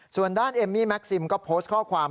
ส่วนด้านเอมมี่แม็กซิมก็โพสต์ข้อความ